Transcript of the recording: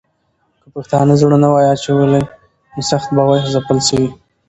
که پښتانه زړه نه وای اچولی، نو سخت به وای ځپل سوي.